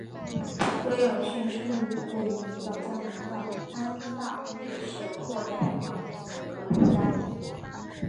威尔逊生于一个移民到加拿大安大略省渥太华的苏格兰家庭。